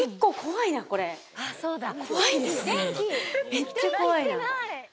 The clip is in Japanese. めっちゃ怖いな。